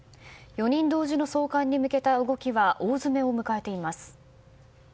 ４人同時の送還に向けた動きは大詰めを迎えています。